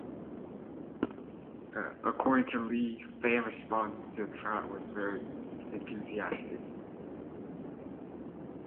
According to Lee, fan response to the tryout was very enthusiastic.